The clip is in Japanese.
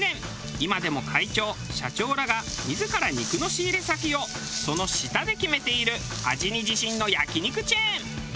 今でも会長社長らが自ら肉の仕入れ先をその舌で決めている味に自信の焼き肉チェーン。